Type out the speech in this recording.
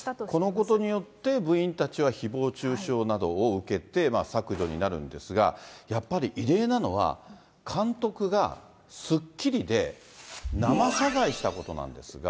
このことによって、部員たちはひぼう中傷などを受けて、削除になるんですが、やっぱり異例なのは、監督がスッキリで、生謝罪したことなんですが。